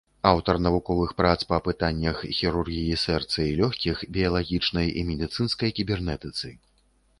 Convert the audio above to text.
Аўтар навуковых прац па пытаннях хірургіі сэрца і лёгкіх, біялагічнай і медыцынскай кібернетыцы.